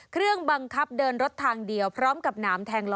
เครื่องบังคับเดินรถทางเดียวพร้อมกับหนามแทงล้อ